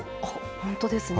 本当ですね。